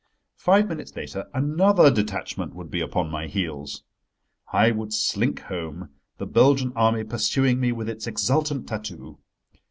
Five minutes later another detachment would be upon my heels. I would slink home, the Belgian Army pursuing me with its exultant tattoo.